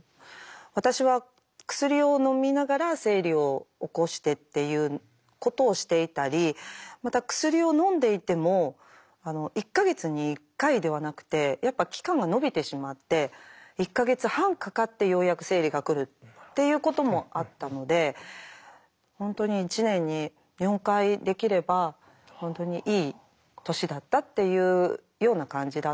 私は薬をのみながら生理を起こしてっていうことをしていたりまた薬をのんでいても１か月に１回ではなくてやっぱ期間が延びてしまって１か月半かかってようやく生理が来るっていうこともあったので本当に１年に４回できれば本当にいい年だったっていうような感じだったので。